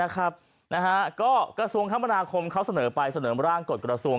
ก็กระทรวงคมนาคมเขาเสนอไปเสนอร่างกฎกระทรวง